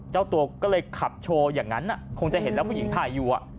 เจ้าตัวก็เลยขับโชว์อย่างนั้นคงจะเห็นแล้วผู้หญิงถ่ายอยู่